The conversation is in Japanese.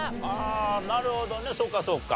なるほどねそうかそうか。